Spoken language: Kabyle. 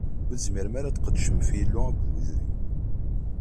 Ur tezmirem ara ad tqedcem ɣef Yillu akked udrim.